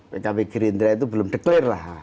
pkb gerindra itu belum declare lah